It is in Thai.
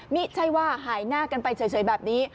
ไม่ใช่ว่าหายหน้ากันไปเฉยแบบนี้